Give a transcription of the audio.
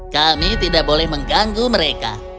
kami tidak boleh mengganggu mereka